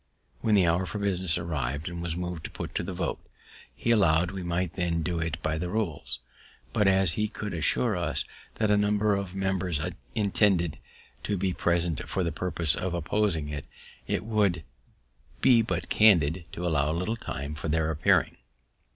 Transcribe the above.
When the hour for business arriv'd it was mov'd to put the vote; he allow'd we might then do it by the rules, but, as he could assure us that a number of members intended to be present for the purpose of opposing it, it would be but candid to allow a little time for their appearing.